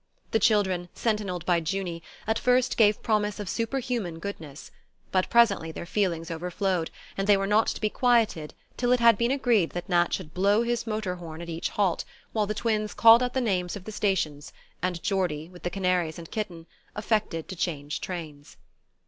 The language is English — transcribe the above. The children, sentinelled by Junie, at first gave promise of superhuman goodness; but presently their feelings overflowed, and they were not to be quieted till it had been agreed that Nat should blow his motor horn at each halt, while the twins called out the names of the stations, and Geordie, with the canaries and kitten, affected to change trains.